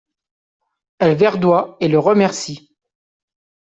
Elle verdoie et le remercie.